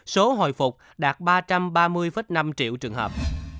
số hồi phục đạt ba trăm ba mươi năm triệu trường hợp